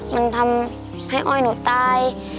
มันทำให้อ้อยหนูตาย